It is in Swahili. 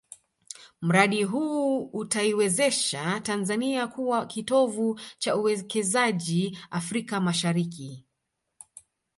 Mradi huu utaiwezesha Tanzania kuwa kitovu cha uwekezaji Afrika Mashariki